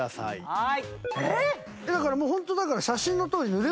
はい。